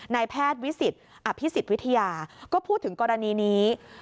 ในแพทย์พิสิตวิทยาก็พูดถึงกรณีนี้